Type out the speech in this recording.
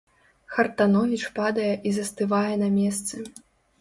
Хартановіч падае і застывае на месцы.